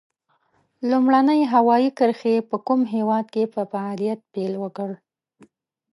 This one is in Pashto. لومړنۍ هوایي کرښې په کوم هېواد کې په فعالیت پیل وکړ؟